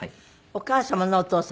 お母様のお父様ね。